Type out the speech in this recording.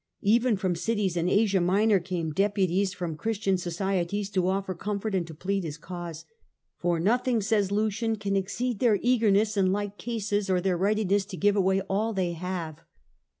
Ever, from cities in Asia Minor came deputies from Christian societies to offer comfort and to plead his cause. ... 'For nothing,' says Lucian, ' can exceed their eagerness in like cases, or their readiness to give away all they have.